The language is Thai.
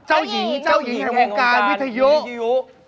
เจ้าหญิงแห่งงงการวิทยุ